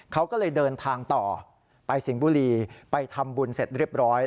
เขาก็เลยเดินทางต่อไปสิงห์บุรีไปทำบุญเสร็จเรียบร้อย